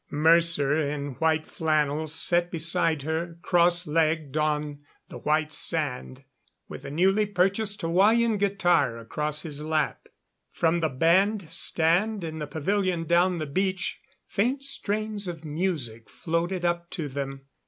Mercer in white flannels sat beside her, cross legged on the white sand, with a newly purchased Hawaiian guitar across his lap. From the band stand in the pavilion down the beach faint strains of music floated up to them.